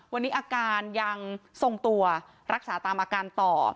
วันนี้อาการยังทรงตัวรักษาตามอาการต่อ